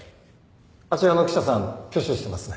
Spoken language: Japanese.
あちらの記者さん挙手してますね。